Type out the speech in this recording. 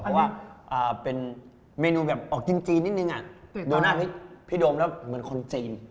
เพราะว่าเป็นเมนูแบบออกจีนนิดนึงดูหน้าพี่โดมแล้วเหมือนคนจีน